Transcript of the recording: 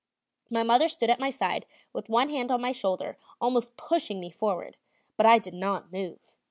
My mother stood at my side with one hand on my shoulder, almost pushing me forward, but I did not move.